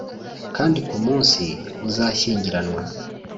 kandi ku munsi uzashyingiranwa,